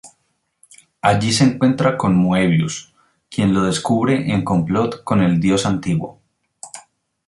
Allí se encuentra con Moebius, quien lo descubre en complot con el Dios Antiguo.